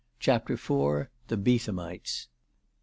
CHAPTER IV. THE BEETHAMITES.